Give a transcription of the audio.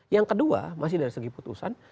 yang kedua masih dari segi putusan